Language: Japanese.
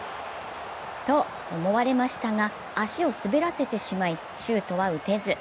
と思われましたが、足を滑らせてしまいシュートは打てず。